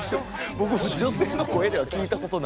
僕も女性の声では聴いたことないので。